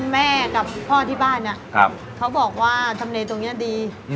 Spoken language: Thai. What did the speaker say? แม่กับพ่อที่บ้านเนี่ยเขาบอกว่าทำเลตรงนี้ดี